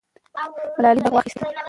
ملالۍ بیرغ واخیست.